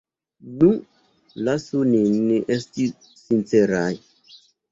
Nu, lasu nin esti sinceraj.